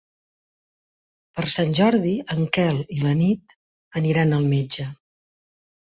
Per Sant Jordi en Quel i na Nit aniran al metge.